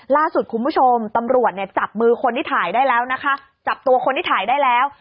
ล่าสุดคุณผู้ชมตำรวจเนี่ยจับมือคนที่ถ่ายได้แล้วนะคะจับตัวคนที่ถ่ายได้แล้ว